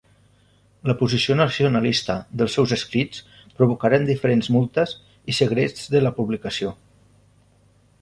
La posició nacionalista dels seus escrits provocaren diferents multes i segrests de la publicació.